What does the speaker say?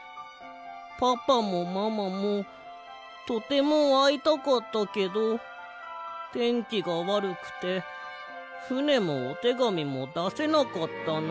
パパもママもとてもあいたかったけどてんきがわるくてふねもおてがみもだせなかったの。